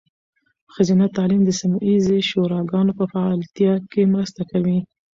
ښځینه تعلیم د سیمه ایزې شوراګانو په فعالتیا کې مرسته کوي.